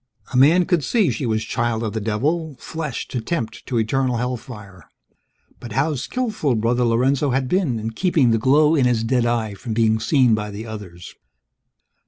A man could see she was child of the devil, flesh to tempt to eternal hellfire. But how skillful Brother Lorenzo had been in keeping the glow in his dead eye from being seen by the others!